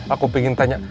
aku pengen tanya